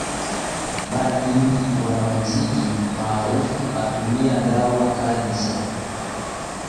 Mara nyingi wanamuziki maarufu hutumia dawa kali za